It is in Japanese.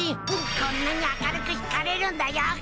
こんなに明るく光れるんだよ。